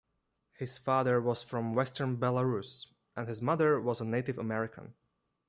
His father was from western Belarus, and his mother was a Native American.